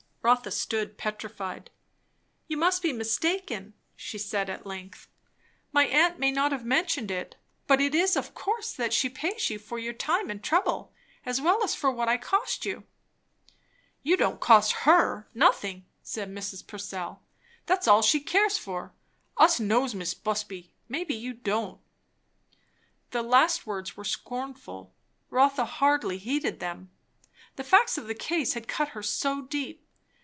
Rotha stood petrified. "You must be mistaken," she said at length. "My aunt may not have mentioned it, but it is of course that she pays you for your time and trouble, as well as for what I cost you." "You don't cost her nothin'," said Mrs. Purcell. "That's all she cares for. Us knows Mis' Busby. Maybe you don't." The last words were scornful. Rotha hardly heeded them, the facts of the case had cut her so deep.